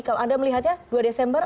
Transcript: kalau anda melihatnya dua desember